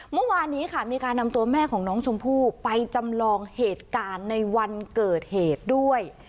เมื่อวานนี้ค่ะมีการนำตัวแม่ของน้องชมพู่ไปจำลองเหตุการณ์ในวันเกิดเหตุด้วย